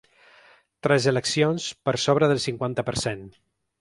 Tres eleccions, per sobre del cinquanta per cent.